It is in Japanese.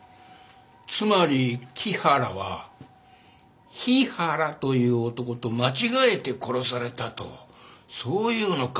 つまり木原は日原という男と間違えて殺されたとそう言うのか？